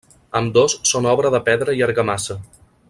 Ambdós són obra de pedra i argamassa.